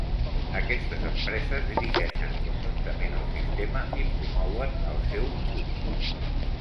Aquestes empreses dirigeixen conjuntament el sistema i promouen el seu ús.